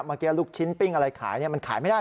เมื่อกี้ลูกชิ้นปิ้งอะไรขายมันขายไม่ได้